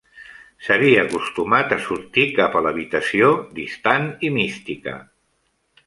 S"havia acostumat a sortir cap a l"habitació, distant i mística.